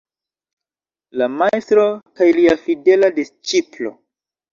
La Majstro kaj lia fidela disĉiplo.